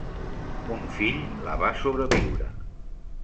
Un fill la va sobreviure.